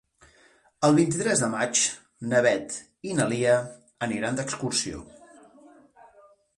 El vint-i-tres de maig na Beth i na Lia aniran d'excursió.